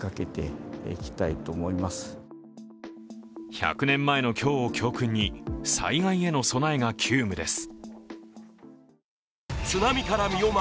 １００年前の今日を教訓に災害への備えが急務です。